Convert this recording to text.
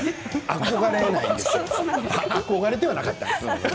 憧れではなかった。